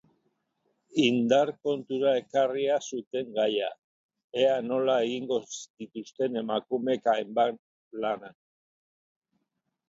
Indar kontura ekarria zuten gaia, ea nola egingo dituzten emakumeek hainbat lan.